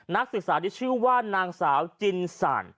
นักศึกษาที่ชื่อว่านางสาวจินสั่น